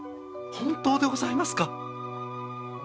本当でございますか？